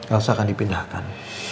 elsa akan dipindahkan